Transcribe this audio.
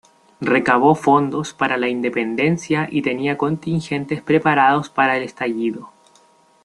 Recabó fondos para la independencia y tenía contingentes preparados para el estallido.